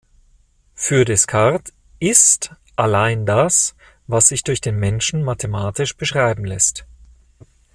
Für Descartes "ist" allein das, was sich durch den Menschen mathematisch beschreiben lässt.